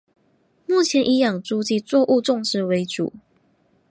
目前以养猪及作物种植为主。